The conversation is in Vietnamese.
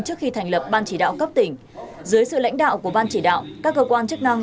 trước khi thành lập ban chỉ đạo cấp tỉnh dưới sự lãnh đạo của ban chỉ đạo các cơ quan chức năng